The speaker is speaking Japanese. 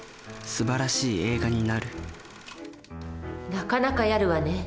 なかなかやるわね。